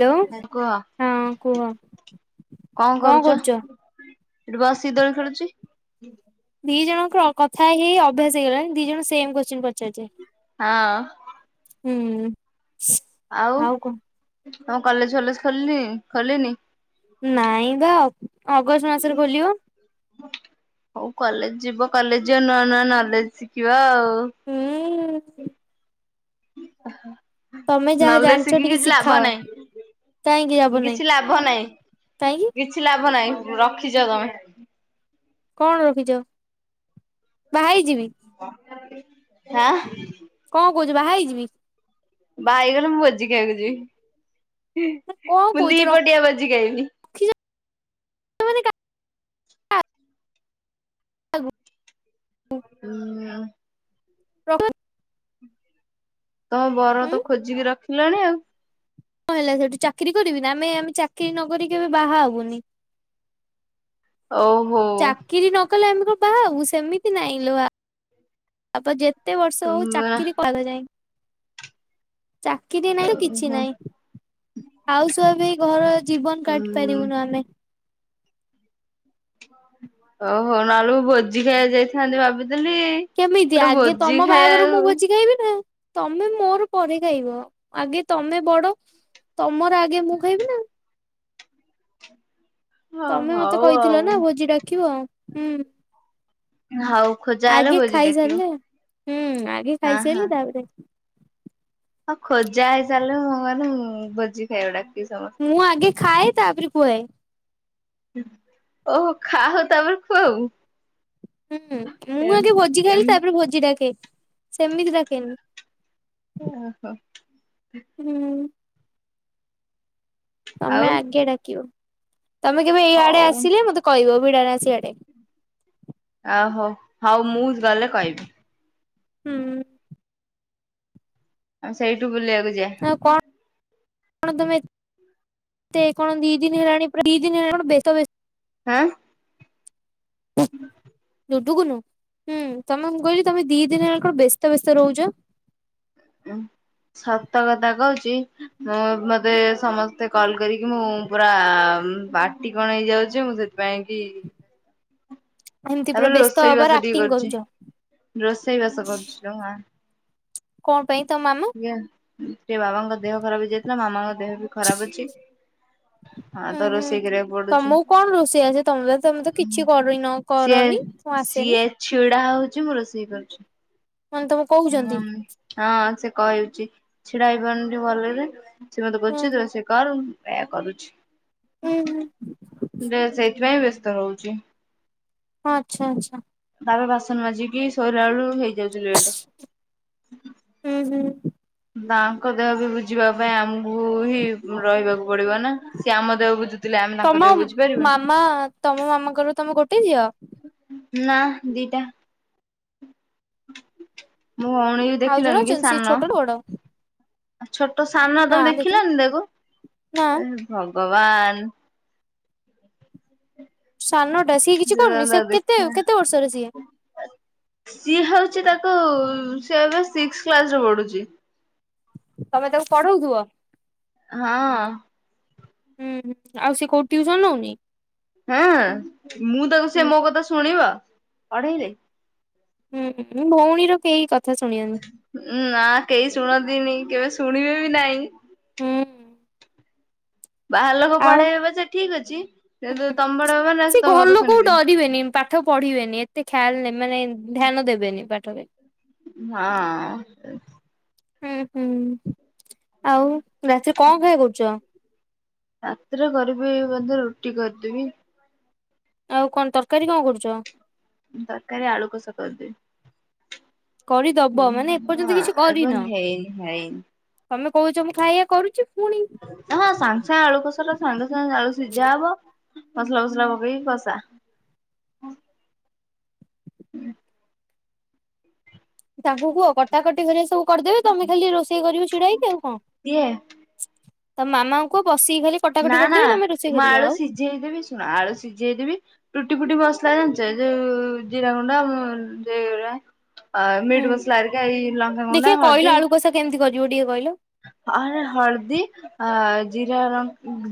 Hello ହଁ କୁହ ହଁ କୁହ କଁ କଣ କରୁଚ? କରୁଛ? ଏଠି ବସିକି ଦୋଳି ଖେଳୁଚି। ଦି ଜଣଙ୍କର ଅ କଥା ହେଇ ହେଇ ଅଭ୍ୟାସ ହେଇଗଲାଣି ଦି ଜଣ ସେମ୍ କୋଶ୍ଚିନ ପଚାରୁଚେ। ହଁ। ହୁଁ। ଆଉ ତମ କଲେଜ ଫଲେଜ ଖୋଲ୍ନି ଖୋଲିନି? ନାଇଁ ବା ଅଗଷ୍ଟ ମାସରେ ଖୋଲିବ। ହୋଉ କଲେଜ ଯିବ କଲେଜ ନୂଆ ନୂଆ ନଲେଜ ଶିଖିବା ଆଉ। ହୁଁ। ତମେ ଯାହା ନଲେଜ୍‌ ଜାଣିଛ ଶିଖିକି ଟିକେ କିଛି ଲାଭ ଶିଖାଅ କାହିଁକି ଲାଭ ନାହିଁ। ନାହିଁ କିଛି ଲାଭ ନାଇଁ କାହିଁକି କିଛି ଲାଭ ନାଇଁ ରଖିଚ ତମେ। କଣ ରଖିଚ ବାହା ହେଇ ଯିବି। ଆଁ କଁ କୋହୁଚୁ ବାହା ହେଇଯିବି? ବାହାହେଇ ଗଲେ ମୁଁ ଭୋଜି ଖାଇବାକୁ ଯିବି କଣ ମୁଁ କହୁଛ ଦିପଟିଆ ଭୋଜି ଖାଇବି। ରଖିଛ [unintelligible] [unintelligible] ହୁଁ। [unintelligible] ତମ ବର ହୁଁ ତ ଖୋଜିକି ରଖିଲାଣି ଆଉ। କଁ ହେଲା ସେଇଠୁ ଚାକିରି କରିବିନି ଆମେ ଆମେ ଚାକିରି ନକରିକି କେବେ ବାହା ହୋବୁନି। ଓହୋ। କିରି ନ କଲେ ଆମ କଣ ବାହା ହୋବୁ ସେମିତି ନାଇଁ ଲୋ ମା ଆବ ଯେତେ ବର୍ଷ ହୋଉ ଚାକିରୀ ତାପରେ ଯାଇଁ ଚାକିରି ନାହିଁ ତ କିଛି ଉଁ ନାହିଁ। ହାଉସୱାଇଫ ହେଇ ଘର ଜୀବନ କାଟି ଉଁ ପାରିବୁନୁ ଆମେ। ଓହୋ ନହେଲେ ମୁଁ ଭୋଜି ଖାଇବା ଯାଇଥାନ୍ତି ଭାବିଥିଲି। କେମିତି ଗୋଟେ ଆଗେ ଭୋଜି ତମ ବାହାଘର ମୁଁ ଖାଇବାକୁ ଭୋଜି ଖାଇବି ନା। ତମେ ମୋର ପରେ ଖାଇବ ଆଗେ ତମେ ବଡ ତମର ଆଗେ ମୁଁ ଖାଇବି ନା। ହଁ ତମେ ମତେ ହଉ କହିଥିଲ ଆଉ। ନା ଭୋଜି ଡାକିବ ହୁଁ। ହଉ ଖୋଜା ହେଲେ ଆଗେ ଭୋଜି ଡାକିବୁ ଖାଇସାରିଲେ ହୁଁ ଆଗେ ହଁ ଖାଇସାଇଲେ ତାପରେ ଯାଇଁକି ହଁ ଖୋଜା ହେଇସାର [unintelligible] ଭୋଜି ଖାଇବ ଡ଼ା ମୁଁ ଆଗେ ଖାଏ ତାପେରେ ଖୁଆଏ। ଓହୋ ଖାଅ ତାପରେ ଖୁଆଉ ହୁଁ ମୁଁ ଏମ୍ ଆଗେ ଭୋଜି ଏମ୍ ଖାଇଲି ତାପେରେ ଭୋଜି ଡାକେ। ସେମିତି ଡାକେନି। ଓହୋ। ହୁଁ। ତମେ ଆଉ ଆଗେ ଡାକିବ ତମେ କେବେ ଏଇଆଡେ ହଉ ଆସିଲେ ମତେ କହିବ ବିଡାନାସୀ ଆଡେ। ଆଉ ହୋ ହଉ ମୁଁ ଗଲେ କହିବି। ହୁଁ। ଆମେ ସେଇଠୁ ବୁଲିଆକୁ ଯିବା। ଆଉ କଁ କଣ ତମେ ଏତେ କଣ ଦିଦିନି ହେଲାଣି ପୁରା ଦିଦିନି ହେଲାଣି କଣ ବ୍ୟସ୍ତ ବ୍ୟ ହାଁ। [unintelligible] ହୁଁ ତମେ ମୁଁ କହିଲି ତମେ ଦି ଦିନ ହେଲାଣି କଣ ବ୍ୟସ୍ତ ବ୍ୟସ୍ତ ରୋହୁଚ। ଉଁ ସତ କଥା କହୁଚି। ମୁଁ ମତେ ସମସ୍ତେ କଲ୍ କରିକି ମୁଁ ପୁରା ପାର୍ଟି କଣ ହେଇଯାଉଚି ମୁଁ ସେ ପାଇଁକି ଏମ୍ତି ପୁରା ବ୍ୟସ୍ତ ରୋଷେଇ ବାସ ହବାର ଟିକେ ଆକ୍ଟିଂ କରୁଛି କରୁଚ। ରୋଷେଇ ବାସ କରୁଛି ଲୋ ମା କୁ ପାଇଁ ତଞ ମାମା ସେ ବାବାଙ୍କ ଦେହ ଖରାପ ହେଇଯାଇଥିଲା ମାମାଙ୍କ ଦେହ ବି ଖରାପ ଅଛି। ହଁ ତ ଉୁଁ ହୁଁ ରୋଷେଇ କରିବାକୁ ପଡୁଛି ତମକୁ କଣ ରୋଷେଇ ଆଛସେ ତମେ ତ ତମେ ତ କିଛି କରିନ। ସିଏ କରନି ମୁଁ ସିଏ ଆସେନି। ଛିଡା ହୋଉଚି ମୁଁ ରୋଷେଇ କରୁଚି। ମାନ୍ ତମ ହୁଁ ହଁ ସେ କହିହୋଉଚି ଛିଡା ହେଇପାରୁନି ଟିଏ ଭଲରେ। ସିଏ ମତେ ହୁଁ କୋଉଚି ତୁ ଆସି କର୍ ଏୟା କରୁଚି। ହୁଁ ହୁଁ। ଯେ ସେଇଥିପାଇଁ ବ୍ୟସ୍ତ ରହୁଚି। ହଁ ଆଛା ଆଛା। ତାପରେ ବାସନ୍ ମାଜିକି ଶୋଇଲା ବେଳୁ ହେଇଯାଉଚି ଲେଟେ। ହୁଁ ହୁଁ। ତାଙ୍କ ଦେହ ବି ବୁଝିବା ପାଇଁ ଆମକୁ ହିଁ ରହିବାକୁ ପଡିବ ନା ସିଏ ଆମ ଦେହ ବୁଝୁ ତମ ମାମା ତମ ମାମାଙ୍କର ତମେ ଗୋଟେ ଝିଅ? ନାଁ ଦିଟା। ମୋ ଭଉଣୀ କୁ ଆଉ ଜଣେ ଦେଖିଲନି କି ଅଛନ୍ତି ସିଏ ସାନ? ଛୋଟ ନା ବଡ ଆ ଛୋଟ ସାନ ନା ତମେ ଦେଖିନି ଦେଖିଲନି ତାକୁ ନା ଏ ଭଗବାନ୍। ସାନଟା ସିଏ କିଛି କରୁନି ତାକୁ ସେ କେତେ ଦେଖିନା କେତେ ବର୍ଷରେ ସିଏ? ସିଏ ହେଉଚି ତାକୁ ସିଏ ଏବେ ସିକ୍ସ୍ କ୍ଲାସ ରେ ପଢୁଚି। ତମେ ତାକୁ ପଢୋଉଥୁବ? ହଁ। ହୁଁ ଆଉ ସେ କଉଠି ଟିଉସନ୍ ନୋଉନି? ହଁ ମୁଁ ତାକୁ ହୁଁ ସେ ମୋ କଥା ଶୁଣିବ ପଢେଇଲେ? ହୁଁ ଭଉଣୀର କେହି କଥା ଶୁଣିବନି। ଉଁ ନା କେହି ଶୁଣନ୍ତିନି କେବେ ଶୁଣିବେ ବି ନାଇଁ। ହୁଁ ବାହାର ଲୋକ ଆଉ ପଢେଇବେ ପଛେ ଠିକ ଅଛି କିନ୍ତୁ ହୁଁ। ତମେ ପଢେଇବ ମାନେ ସେ ସିଏ ତମ ଘର କଥା ଲୋକକୁ ଶୁଣିବେନି। ଡରିବେନି ପାଠ ପଢିବେନି ଏତେ ଖାଲ୍ ମାନେ ଧ୍ୟାନ ଦେବେନି ପାଠରେ। ହଁ ଅଁ। ହୁଁ ହୁଁ ଆଉ ରାତିରେ କଁ ଖାଇବା କରୁଚ? ରାତିରେ କରିବି ବୋଧେ ରୁଟି କରିଦେବି। ଆଉ କଣ ତରକାରୀ କଁ କରୁଚ? ତର୍କାରୀ ଆଳୁ କଷା କରିଦେବି। କରିଦବ ମାନେ ହଁ ଏପର୍ଯ୍ୟନ୍ତ କିଛି ଏବଂ କରିନ? ହେଇନି ହେଇନି ତମେ କୋହୁଚ ମୁଁ ଖାଇବା କରୁଚି ଫୁଣି ହଁ ସାଙ୍ଗେ ସାଙ୍ଗେ ଆଳୁ କଷା ଟା ସାଙ୍ଗେ ସାଙ୍ଗେ ଆଳୁ ସିଝା ହବ ମସଲା ଫସଲା ପକେଇକି କଷା ତାଙ୍କୁ କୁହ କଟାକଟି ହରିକା ସବୁ କରିଦେବେ ତମେ ଖାଲି ରୋଷେଇ କରିବ ଛିଡା ହେଇକି ଆଉ କଁ। କିଏ ତ ମାମାଙ୍କୁକୁହ ବସିକି ଖାଲି କଟାକଟି କରିଦେବେ ତମେ ରୋଷେଇ କରିବ ଆଉ ସଝେଇ ଦେବି ଶୁଣ ଆଳୁ ସିଝେଇଦେବି ରୁଟି ଫୁଟି ବସ୍ଲା ଜାଣିଚ ଯେଉ ଜିରା ଗୁଣ୍ଡ ସେଉରା ଅ ହୁଁ। ମିଟ୍ ମସଲା ହେରିକା ଏଇ ଲଙ୍କା ଗୁଣ୍ଡ ହଳଦୀ କେମ୍ତି କରିବ ଟିକେ କହିଲ? ଆ ହଳଦୀ ଅ ଜିରା ରଁ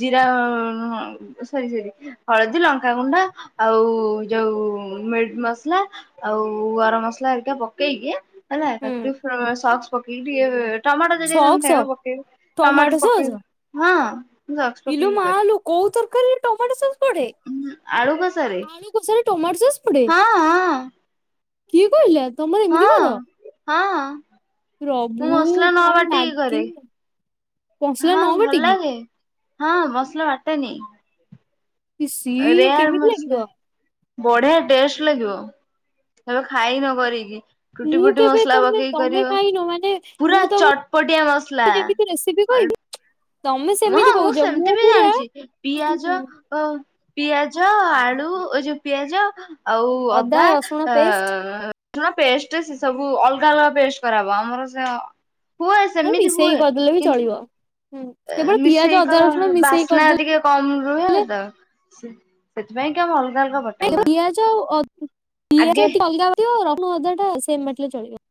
ଜିରା ଅଁ ହଁ ସରି ସରି। ହଳଦୀ ଲଙ୍କାଗୁଣ୍ଡ ଆଉ ଯୋଉ ମିଟ୍ ମସ୍ଲା ଆଉ ଗରମ୍ ମସ୍ଲା ହରିକା ପକେଇକି ହେଲା ହୁଁ ତାକୁ ଫ୍ର ଟିକେ ସକ୍ସ୍ ଟିକେ ଟମାଟୋ ସେଇ ସକ୍ସ ଅନୁସାରେ ପକେଇବୁ ଟମାଟ ଟମାଟୋ ସ ସସ୍ ପକେଇବ ହଁ ମୁଁ ସକ୍ସ ଇଲୋ ପକେଇକି ବିକରେ। ମାଲୋ କୋଉ ତରକାରୀରେ ଟମାଟୋ ସସ୍ ପଡେ? ଆଳୁ କଷାରେ ଆଳୁ କସାରେ ଟୋମାଟ ସସ୍ ପଡେ? ହଁ ହଁ କିଏ କହିଲା ତମର ଏମିତି ହଁ କର? ହଁ। ମୁଁ ପ୍ରଭୁ ମସଲା ନ କଣ ବାଟିକି ଲାଗେ କରେ। ମସଲା ନ ହଁ ଭଲ ବାଟିକି ଲାଗେ। ହଁ ମସଲା ବାଟେନି। ଇସି ଇଏ ରେୟାର କେମିତି ଲାଗିବ ମସଲା। ବଢିଆ ଟେଷ୍ଟ ଲାଗିବ କେବେ ଖାଇ ନ କରିକି। କୁଟି ମୁଁ ଫୁଟି କେବେ ମସଲା ତମେ ପକେଇକି ତମେ କରିବ ଖାଇନ ମାନେ ମୁଁ ପୁରା ତମକୁ ଚଟପଟିଆ ମସଲା ଯେମିତି ରେସିପି ଅ କହିବି ତମେ ହଁ ସେମିତି ମୁଁ କହୁଛ ସେମିତି ବି ପୁରା ଜାଣିଛି ପିଆଜ। ହୁଁ ଓ ପିଆଜ ଆଳୁ ଏ ଯୋଉ ପିଆଜ। ଆଉ ଅଦା ରସୁଣ ଆଁ। ପେଷ୍ଟ ରସୁଣ ପେଷ୍ଟ ସେ ସବୁ ଅଲଗା ଅଲଗା ପେଷ୍ଟ କରାହବ ଆମର ସେ। ହୁଏ ନାଇଁ ସେମିତି ମିଶେଇକି ହୁଏ କରିଦେଲେ ବି କିନ୍ତୁ ଚଳିବ। ହୁଁ କେବଳ ପିଆଜ ମିଶେଇ ଅଦା କଲ ରସୁଣ ମିଶେଇ ବାସ୍ନା କରିଦେଲେ ଟିକେ। କମ ରୁହେ ତ ସେ ସେଥିପାଇଁ କି ଆମ ଅଲଗା ଅଲଗା ବାଟୁ। ଖାଲି ପିଆଜ ଆଉ ଅ ପିଆଜ ଆଗେ ଟା ଅଲଗା ବାଟିବ ରସୁଣ ଅଦା ଟା ସେମ ବାଟିଲେ ଚଳିବ ‌।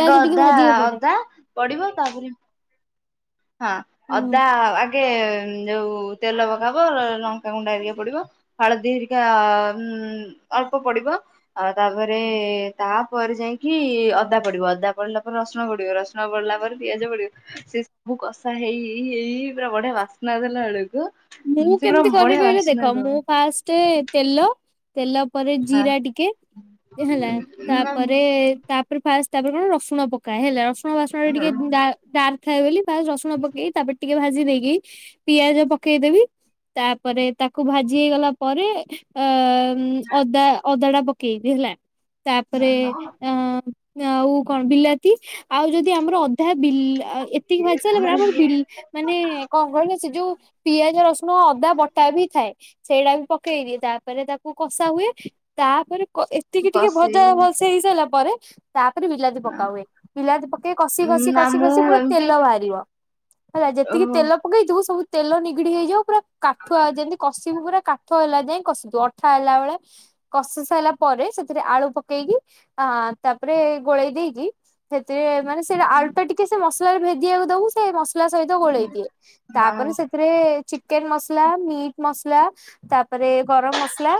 ଆଗ ଟିକେ ଅଦା ଭାଜିବାକୁ ପଡେ। ଅଦା ପଡିବ ତାପରେ। ହଁ ହୁଁ ଅଦା ଆଗେ ଯୋଉ ତେଲ ପକାହବ ଲଙ୍କା ପଙ୍କା ହେରିକା ପଡିବ। ହଳଦୀ ହେରିକା ଉଁ ଅଳ୍ପ ପଡିବ। ଆଉ ତାପରେ ତାପରେ ଯାଇକି ଅଦା ପଡିବ ଅଦା ପଡିଲା ପରେ ରସୁଣ ପଡିବ ରସୁଣ। ଣ ପଡିଲା ପରେ ପିଆଜ ପଡିବ। ସବୁ କଷା ହେଇ ହେଇ ହେଇ ହେଇ ‌ପୁରା ବଢିଆ ବାସ୍ନା ଦେଲା ବେଳକୁ। ମୁଁ ସେ ପୁରା କେମିତି କରେ ବଢିଆ କହିଲ ବାସ୍ନା ଦେଖ ଦବ ମୁଁ ଫାଷ୍ଟ ତେଲ। ତେଲ ପରେ ହଁ ଜିରା ଟିକେ ହେଲା ତାପରେ ତା। ପରେ ଫାଷ୍ଟ ତାପରେ କଣ ରସୁଣ ପକାଏ ହେଲା ରସୁଣ ବାସନା ଟିକେ। ଡାର ଥାଏ ବୋଲି ଫାଷ୍ଟ ରସୁଣ ପକେଇି ତାପରେ ଟିକେ ଭାଜି ଦେଇକି ପିଆଜ ପକ ପକେଇଦବି ତାପରେ ତାକୁ ଭାଜି ହେଇଗଲା ପରେ ଅ। ଉଁ ଅଦା ଅଦା ଟା ପକେଇବି ହେଲା ତାପରେ ଅଁ। ଆଉ କଣ ବିଲାତି ଆଉ ଯଦି ଆମର ଅଧା ବିଲ ଏ- ଏତିକି ଭାଜିସାଇଲା ପରେ ଆମର ବିଲ ମାନେ କଣ କହିଲ ସେ ଯୋଉ। ପିଆଜ ରସୁଣ ଅଦା ବଟା ବି ଥାଏ। ସେଇଟା ବି ପକେଇଦିଏ ତାପରେ ତାକୁ କଷା ହୁଏ ତାପରେ। ଏତିକି ଟିକେ ଭଜା କଷେଇ ଭଲସ ହେଇ ସାରିଲା ପରେ। ତାପରେ ବିଲାତି ପକା ହୁଏ ବିଲାତି ପକେଇ କଷି କଷି ନା କଷି ମୁଁ କଷି ପୁରା ଏମିତି ତେଲ ବାହାରିବ ‌ ହେଲା ଯେତିକି ଓହୋ ତେଲ ପକେଇଥିବୁ ସବୁ ତେଲ ନିଗିଡି ହେଇଯିବ ପୁରା କାଠୁଆ ଯେମିତି। କଷିବୁ ପୁରା କାଠ ହେଲା ଯାଏ କଷିବୁ ଅଠା ହେଲା ବେଳେ। କଷି ସାରିଲା ପରେ ସେଥିରେ ଆଳୁ ପକେଇକି ଆ ତାପରେ ଗୋଳେଇ ଦେଇକି। ସେଥିରେ ମାନେ ସେଟା ଆଳୁଟା ଟିକେ ସେ ମସଲାରେ ଭେଦିବାକୁ ଦବୁ ସେ ମସଲା ସହିତ ଗୋଳେଇ ଦିଏ। ମାନେ ହଁ ସେ ଥିରେ ଚିକେନ ମସଲା ମିଟ୍ ମସଲା ତାପରେ ଗରମ ମସଲା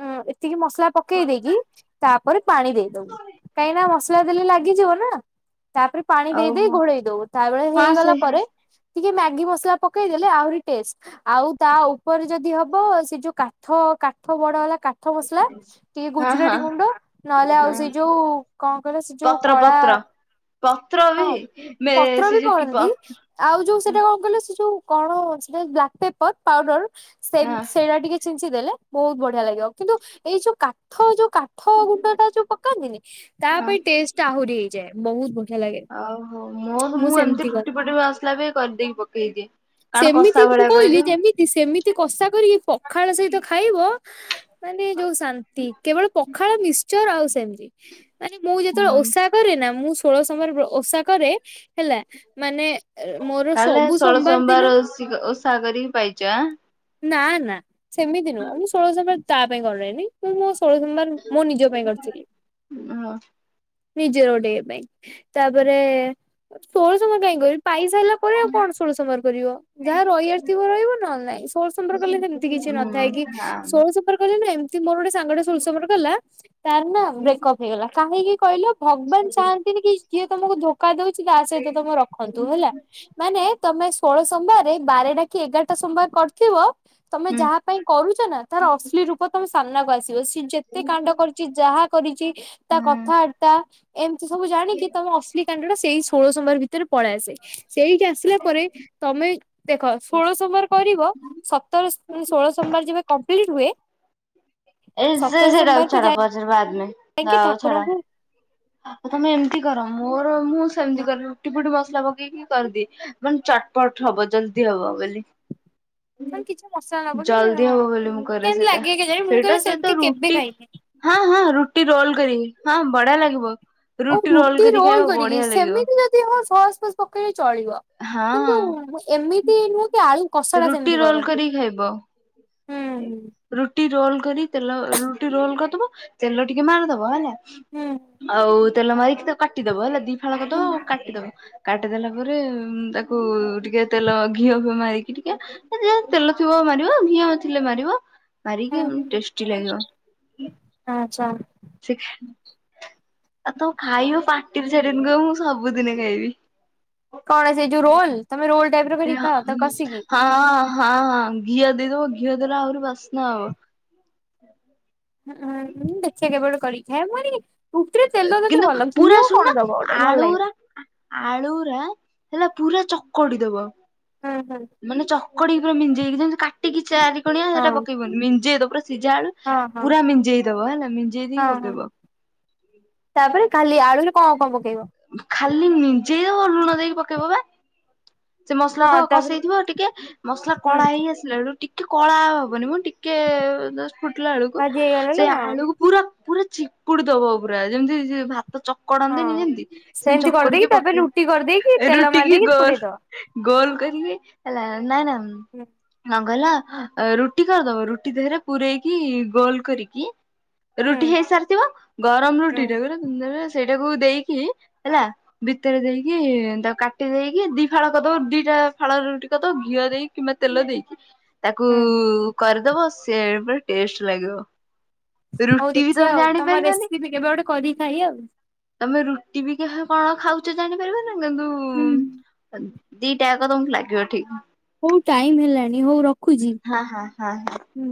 ଉଁ। ଏତିକି ମସଲା ପକେଇ ଦେଇକି ତା। ପରେ ପାଣି ଦେଇଦବୁ କାହିଁକିନା ମସଲା ଦେଲେ ଲାଗିଯିବ ନା ତାପରେ। ପାଣି ଦେଇ ଦେଇେ ଓହୋ ଘୋଡେଇ ଦବୁ ତା ବଳେ ହଁ ସେ ହେଇଗଲା ପରେ ଟିକେ ମାଗି ମସଲା। ପକେଇଦଲେ ଆହୁରି ଟେଷ୍ଟ। ଆଉ ତା ଉପରେ ଯଦି ହବ ସେ ଯୋଉ କାଥ କାଥ ବଡ ବାଲା କା ଥ ମସଲା ଟିକେ ହଁ ହଁ ଗୁଜୁରାତି ଗୁଣ୍ଡ ନହେଲେ ଆଉ ହଁ ସେଇ ଯୋଉ କଣ କହିଲ ସେ ଯୋଉ ପତ୍ର କଳା। ପତ୍ର ପତ୍ର ବି ହଁ ସେ ପତ୍ର ସେ ବି ଯୋ କି ପକଉନାହାନ୍ତି ପତ୍ର। ଆଉ ଯୋଉ ସେଇଟା କଣ କହିଲ ସେ ଯୋଉ କଣ ସେଟା ବ୍ଲାକ୍ ପେପର ପାଉଡର ସେ ହଁ ସେଇଟା ଟିକେ। ଛିଞ୍ଚି ଦେଲେ ବହୁତ ବଢିଆ ଲାଗିବ କିନ୍ତୁ ଏଇ ଯୋଉ କାଠ ଯୋଉ। କାଠ ଗୁଣ୍ଡ ଟା ଯୋଉ ପକାନ୍ତିନି ତା ପାଇଁ ହଁ ଟେଷ୍ଟ ଆହୁରି ହେଇଯାଏ ବହୁତ ବ ଓଉ ହୋ ମୋ ମୁଁ ଏମିତି କରେ। ଟୁଟି ଫୁଟି ଆସିଲା ବି କରିଦେଇକି ପକେଇଦିଏ। କାରଣ କଷା ସେମିତି ମୁଁ ଭଳିଆ କହିଲି କରିଦିଏ ଯେମତି ସେମିତି କଷା କରିକି ପଖାଳ ସହିତ ଖାଇବ। ମାନେ ଯୋଉ ଶାନ୍ତି କେବଳ ପଖାଳ ମିଶ୍ଚର ଆଉ ସେମିତି ମାନେ ମୁଁ ଯେତେବେଳେ ହୁଁ। ଓଷା କରେ ନା ମୁଁ ଷୋହଳ ସମୟରେ ଓଷା କରେ ହେଲା ମାନେ ମୋର ତାହେଲେ ସବୁ ଷୋଳ ସୋମବାର ଶ ଓଷା କରିକି ପାଇଚ ହାଁ? ନା ନା ସେମିତି ନୁହଁ ଆ ମୁଁ ଷୋଳ ସୋମବାର ତା ପାଇଁ କରେନି। ମୁ ମୁଁ ଷୋଳ ସୋମବାର ମୁଁ ନିଜ ପାଇଁ କରିଥିଲି। ଓହୋ। ନିଜର ଗୋଟେ ପାଇଁ ତାପରେ ଷୋହଳ ସମବାର୍ କାଇହିଁ କରିବି? ପାଇ ସାରିଲେ [inaudible] ଷୋଳ ସୋମବାର କରିବ। ଯାହା ରହିବାର ଥିବ ରହିବ ନହେଲେ ନାଇଁ ଷୋଳ ସୋମବାର କଲେ ସେମିତି କିଛି ହୁଁ ହଁ ନଥାଏ କି ଷୋଳ ସୋମବାର କଲେ ନା ଏମତି ମୋର ଗୋଟ ସାଙ୍ଗ ଟେ ଷୋଳ ସୋମବାର କଲା ତାର ନା ବ୍ରେକପ୍ ହେଇଗଲା କାହିଁକି କହିଲ। ଭଗବାନ ଚାହାନ୍ତିନି କି ଯିଏ ତମକୁ ଧୋକା ଦଉଚି, ତା ସହିତ ତମେ ରଖନ୍ତୁ ହେଲା ମାନେ ତମେ ଷୋହଳ ସୋମବାରେ ବାରଟା କି ଏଗାରଟା ସୋମବାର କରିଥିବ, ତମେ ହୁଁ ଯାହା ପାଇଁ କରୁଚ ନା ତାର ଅଶ୍ଲୀ ରୂପ ତମ ସାମ୍ନାକୁ ଆସିବ। ସିଏ ଯେତେ କାଣ୍ଡ କରି କି ଯାହା କରିଚି ତା ହୁଁ। କଥାବାର୍ତା ଏମିତି ସବୁ ଜାଣିକି ତମ ଅଶ୍ଳି ଷ୍ଟାଣ୍ଡାର୍ଡ ଟା ସେଇ ଷୋହଳ ସୋମବାର ଭିତରେ ପଳେଇ ଆସେ। ସେଇଠି ଆସିଲା ପରେ ତମେ ଦେଖ ଷୋଳ ସୋମବାର କରିବ, ସତର ଷୋହଳ ସୋମବାର ଯେବେ କମ୍ପ୍ଲିଟ୍ ହୁଏ ଏ ସେ ସେଇଟା ଛାଡ ପଛରେ ବାଦ ମେ। କାହିଁକି ଆଉ ଛାଡ। ଠାକୁରଙ୍କୁ ଆଉ ତମେ ଏମିତି କର, ମୋର ମୁଁ ସେମିତି ହୁଁ କରେ ରୁଟି ଫୁଟି ମସଲା ପକେଇକି କରଦିଏ, ମାନେ ଚଟପଟ ହବ ଜଲଦି ହବ ବୋଲି। ମାନେ କିଛି ମସଲା ନପକେଇ ଜଲଦି ହବ ହଁ ବୋଲି ମୁଁ କରେ କେମିତି ସେଇଟା। ଲାଗେ କେଜାଣି ମୁଁ ସେଇଟା କେବେ ସହିତ ସେମିତି କେବେ ରୁଟି ଖାଇନି। ହଁ ହଁ ରୁଟି ରୋଲ କରିକି ହଁ ବଢିଆ ଲାଗିବ। ଓ ରୁଟି କରି ରୋଲ ଖାଇବ କରିକି, ବଢିଆ ଲାଗିବ ସେମିତି ଯଦି ହଏ ସୋୟା ସସ ପକେଇଲେ ଚଳିବ। କିନ୍ତୁ ହଁ ଏମିତି ନୁହେଁ କି ଆଳୁ କଷା ଟା ରୁଟି ସେମିତି ରୋଲ କରନ୍ତି। କରିକି ଖାଇବ। ହୁଁ ହୁଁ। ରୁଟି ରୋଲ କରି ତେଲ ରୁଟି ରୋଲ କରିଦବ ତେଲ ଟିକେ ମାରିଦବ ହେଲା। ହୁଁ ଆଉ ତେଲ ମାରିକି ତାକୁ କାଟିଦବ ହେଲା ଦି ଫାଳ କରିଦବ। ହୁଁ ହୁଁ କାଟିଦବ। କାଟିଦେଲା ପରେ ତାକୁ ଟିକେ ତେଲ ଘିଅ ଫିଅ ମାରିକି ଟିକେ ଅ ଯୋଉ ତେଲ ଥିବ ମାରିବ ଘିଅ ହେଲେ ଥିଲେ ମାରିବ। ମାରିକି ହୁଁ ଟେଷ୍ଟି ଲାଗିବ, ଆଚ୍ଛା। ସେ ଆଉ ତମେ ଖାଇବ ପାଟିରୁ ଛାଡିବନି କହିବ ମୁଁ ସବୁଦିନେ ଖାଇବି। କଣ ସେ ଯୋଉ ରୋଲ, ତମେ ରୋଲ ଟାଇପ ର କରିକି ଖାଅ ତ କସିକି। ହଁ ହଁ ହଁ ଘିଅ ଦେଇଦବ ଘିଅ ଦେଲେ ଆହୁରି ବାସ୍ନା ହବ। ହୁଁ ହୁଁ ଦେଖିବା କେବେ ଗୋଟେ କରିକି ଖାଇବା। ମୁଁ ଟିକେ ରୁଟି ରେ ତେଲ ଦେଲେ କିନ୍ତୁ ଭଲ ଲଗ, ପୁରା ଘିଅ ଶୁଣୁନ କଣ ଦବ ଗୋଟେ ଭଲ ଲାଗିବ। ଆଳୁରା ଆଳୁରା ସେଟା ପୁରା ଚକଡି ଦବ। ହଁ ହଁ। ମାନେ ଚକଡି କି ପୁରା ମିଞ୍ଜେଇକି ଯେମିତି କାଟିକି ଚାରି କଣିଆ ହଁ ସେଟା ପକେଇବନି, ମିଞ୍ଜେଇଦବ ପୁରାସିଝା ଆଳୁ ହଁ ହଁ ପୁରା ମିଞ୍ଜେଇ ଦବ ହେଲା ମିଂଜେଇ ହଁ ଦେଇକି ହଁ ପକେଇବ। ତାପରେ ଖାଲି ଆଳୁରେ କଣ କଣ ପକେଇବ? ଖାଲି ମିଞ୍ଜେଇ ଦବ ଲୁଣ ଦେଇକି ପକେଇବ ବା? ସେ ମସଲା ତ ହଁ ତାପରେ କଷେଇ ଥିବ ଟିକେ ମସଲା କଳା ହେଇ ହୁଁ ଆସି ଲା ବେଳୁ ଟିକେ କଳା ହବନି ମୁଁ ଟିକେ ଜଷ୍ଟ ଫୁଟିଲା ବେଳକୁ ଭାଜି ହେଇଗଲା ବେଳୁ ସେ ହଁ ଆଳୁକୁ ପୁରା ପୁରା ଚିକୁୁଡି ଦବ ପୁରା ଯେମିତି ଯେ ଭାତ ଚ କଡନ୍ତିନି ହଁ। ଯେମତି ସେମତି ସେମିତି କରିଦେଇକି ଚକଡିକି ତାପରେ ରୁଟି କରିଦେଇକି ପକେଇ ତେଲ ରୁଟି କି ମାରିଦେଇକି ଗୋଲ୍ ପୁରେଇଦବା ଗୋଲ କରିକି ହେଲା ନାଇଁ ନା ହୁଁ କଣ କହିଲ ଅ ରୁଟି କରିଦବ, ରୁଟି ଦେହରେ ପୁରେଇକି ଗୋଲ କରିକି ହୁଁ ରୁଟି ହେଇସାରିଥିବ, ଗରମ ହୁଁ। ରୁଟି ଟା ନର୍ ନର୍ ସେଇଟାକୁ ଦେଇକି ହେଲା, ଭିତରେ ଦେଇକି ତାକୁ କାଟି ଦେଇକି ଦି ଫାଳ କରିଦବ ଦିଟା ଫାଳ ରୁଟି କରିଦବ ଘିଅ ଦେଇକି କିମ୍ବା ତେଲ ଦେଇକି ତାକୁ ହୁଁ ହୁଁ କରିଦବ ସେ ପୁରା ଟେଷ୍ଟ ଲାଗିବ। ହଉ ରୁଟି ବି ଦେଖିବା ତମେ ଆଉ ତମର ଜାଣିପାରିବନି ରେସିପି ବି କେବେ ଗୋଟେ କରିକି ଖାଇବା ଆଉ। ତମେ ରୁଟି ବି କାହା କଣ ଖାଉଛ ଜାଣିପାରିବନି କିନ୍ତୁ? ହୁଁ ଦିଟାକ ତମକୁ ଲାଗିବ ଠିକ। ହଉ ଟାଇମ ହେଲାଣି ହଉ ର ହଁ ହଁ ହଁ ହ। ହୁଁ।